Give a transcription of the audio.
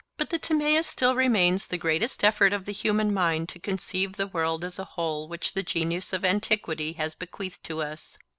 But the Timaeus still remains the greatest effort of the human mind to conceive the world as a whole which the genius of antiquity has bequeathed to us.